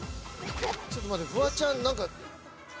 ちょっと待ってフワちゃんなんか。